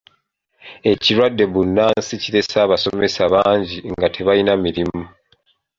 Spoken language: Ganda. Ekirwadde bbunansi kirese abasomesa bangi nga tebalina mirimu.